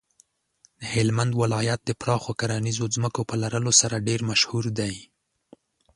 هلمند ولایت د پراخو کرنیزو ځمکو په لرلو سره ډیر مشهور دی.